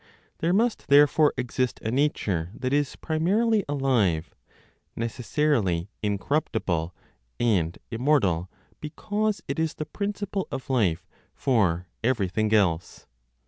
There must, therefore, exist a nature that is primarily alive, necessarily incorruptible and immortal because it is the principle of life for everything else.